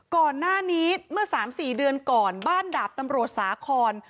ก่อนหน้านี้เมื่อ๓๔เดือนก่อนบ้านดาบตำรวจสาคอน